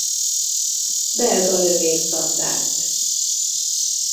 Belga Lövészdandárt.